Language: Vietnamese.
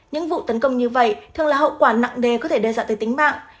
những vụ tấn công như vậy thường là hậu quả nặng nề có thể đe dọa tới tính mạng